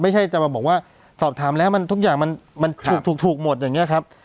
ไม่ใช่จะมาบอกว่าสอบถามแล้วมันทุกอย่างมันมันถูกถูกถูกหมดอย่างเงี้ยครับ